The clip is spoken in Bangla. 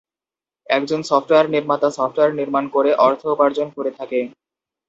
একজন সফটওয়্যার নির্মাতা সফটওয়্যার নির্মাণ করে অর্থ উপার্জন করে থাকে।